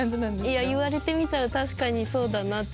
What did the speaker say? いや言われてみたら確かにそうだなって思いました。